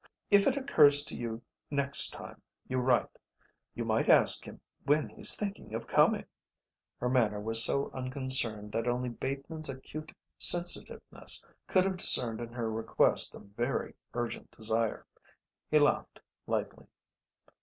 If it occurs to you next time you write you might ask him when he's thinking of coming." Her manner was so unconcerned that only Bateman's acute sensitiveness could have discerned in her request a very urgent desire. He laughed lightly.